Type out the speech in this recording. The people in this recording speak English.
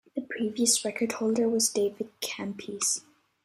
The previous record holder was David Campese.